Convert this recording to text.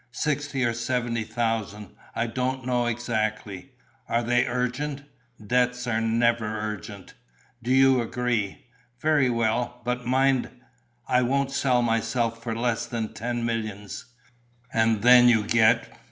"Sixty or seventy thousand: I don't know exactly." "Are they urgent?" "Debts are never urgent!" "Do you agree?" "Very well. But mind, I won't sell myself for less than ten millions.... And then you get...."